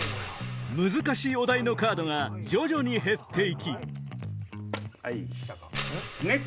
難しいお題のカードが徐々に減って行きはい！